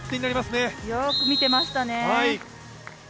よく見てましたね。